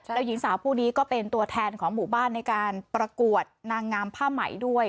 แล้วหญิงสาวผู้นี้ก็เป็นตัวแทนของหมู่บ้านในการประกวดนางงามผ้าไหมด้วย